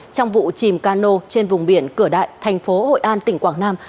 trong vụ chìm cano trên vùng biển cửa đại thành phố hội an tỉnh quảng nam